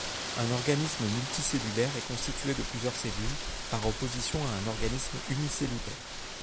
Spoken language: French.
Un organisme multicellulaire est constitué de plusieurs cellules, par opposition à un organisme unicellulaire.